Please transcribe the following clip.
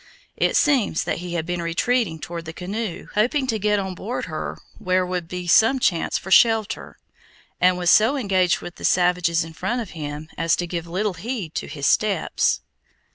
It seems that he had been retreating toward the canoe, hoping to get on board her where would be some chance for shelter, and was so engaged with the savages in front of him as to give little heed to his steps.